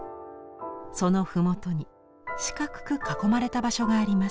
その麓に四角く囲まれた場所があります。